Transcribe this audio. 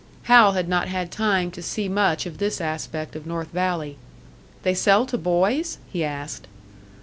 Hal had not had time to see much of this aspect of North Valley. "They sell to boys?" he asked.